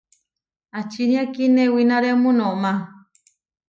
¿Ačinia kinewináremu noʼma?